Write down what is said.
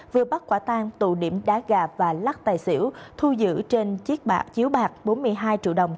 vừa bắt quả tang tụ điểm đá gà và lắc tài xỉu thu giữ trên chiếc bạc chiếu bạc bốn mươi hai triệu đồng